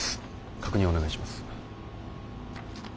確認お願いします。